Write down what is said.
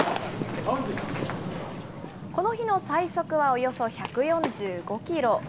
この日の最速はおよそ１４５キロ。